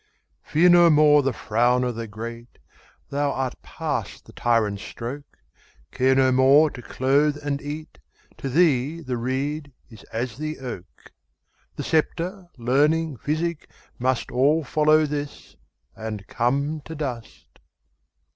Fear no more the frown o' the great, Thou art past the tyrant's stroke; Care no more to clothe and eat; To thee the reed is as the oak:The sceptre, learning, physic, mustAll follow this, and come to dust.